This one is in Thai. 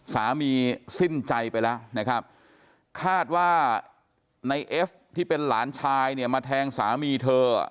สามีสิ้นใจไปแล้วนะครับคาดว่าในเอฟที่เป็นหลานชายเนี่ยมาแทงสามีเธอ